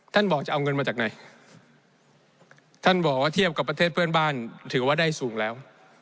บอกจะเอาเงินมาจากไหนท่านบอกว่าเทียบกับประเทศเพื่อนบ้านถือว่าได้สูงแล้ว